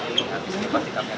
pertemuan ini kita bisa mencari